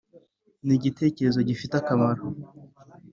nigitekerezo gifite akamaro